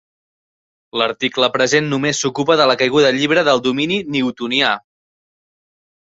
L'article present només s'ocupa de la caiguda llibre del domini newtonià.